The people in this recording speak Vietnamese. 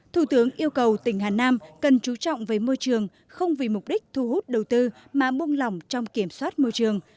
thủ tướng yêu cầu tỉnh hà nam cần trú trọng về môi trường không vì mục đích thu hút đầu tư mà mung lòng trong kiểm soát môi trường